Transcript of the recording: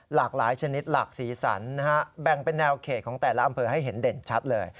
หลากหลายชนิดหลากสีสันนะฮะแบ่งเป็นแนวเขตของแต่ละอำเภอให้เห็นเด่นชัดเลย